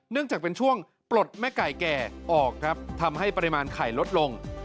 จากเป็นช่วงปลดแม่ไก่แก่ออกครับทำให้ปริมาณไข่ลดลง